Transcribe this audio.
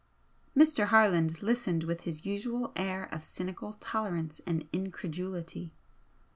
Mr. Harland listened with his usual air of cynical tolerance and incredulity.